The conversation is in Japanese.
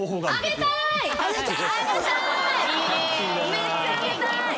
めっちゃ上げたい！